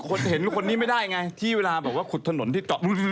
ผู้เห็นคนนี้ไม่ได้ไงที่เวลาบอกว่าขุดถนนที่